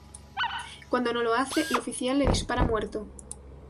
Cuando no lo hace, el oficial le dispara muerto.